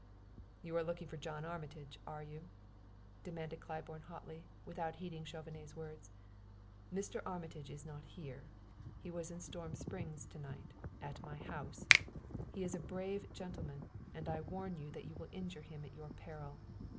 "You are looking for John Armitage, are you?" demanded Claiborne hotly, without heeding Chauvenet's words. "Mr. Armitage is not here; he was in Storm Springs to night, at my house. He is a brave gentleman, and I warn you that you will injure him at your peril.